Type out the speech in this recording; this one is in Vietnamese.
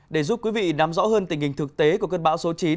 để giúp quý vị nắm rõ hơn tình hình thực tế của cơn bão số chín